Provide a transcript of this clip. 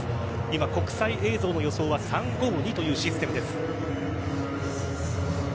今、国際映像の予想は３−５−２というシステムです。